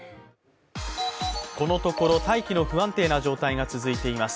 このところ大気の不安定な状態が続いています。